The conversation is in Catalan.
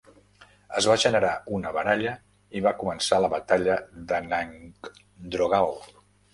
Es va generar una baralla i va començar la batalla d'Annaghdroghal.